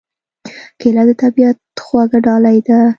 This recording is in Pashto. کېله د طبیعت خوږه ډالۍ ده.